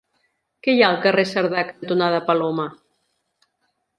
Què hi ha al carrer Cerdà cantonada Paloma?